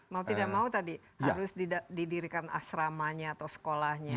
mau tidak mau tadi harus didirikan asramanya atau sekolahnya